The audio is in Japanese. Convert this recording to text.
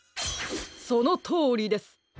そのとおりです！